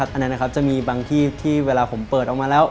อันนั้นนะครับจะมีบางที่ที่เวลาผมเปิดออกมาแล้ว